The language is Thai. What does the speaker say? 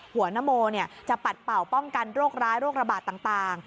นโมจะปัดเป่าป้องกันโรคร้ายโรคระบาดต่าง